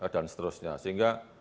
dan seterusnya sehingga